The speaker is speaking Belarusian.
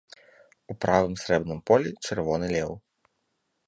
У правым, срэбным полі чырвоны леў.